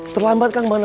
terlambat kang banna